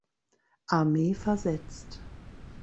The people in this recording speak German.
Armee versetzt.